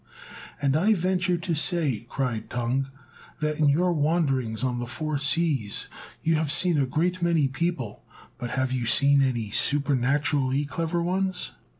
"And I venture to say," cried Tung, "that in your wanderings on the Four Seas you have seen a great many people; but have you seen any supernaturally clever ones?"